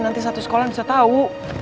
nanti satu sekolah bisa tahu